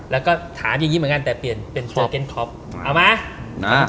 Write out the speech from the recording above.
แล้วก็ถามยังไงมากันแต่เปลี่ยนเป็นเจอเก็นต์ฮอล์ป